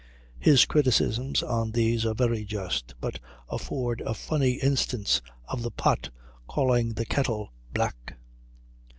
His criticisms on these are very just, but afford a funny instance of the pot calling the kettle black.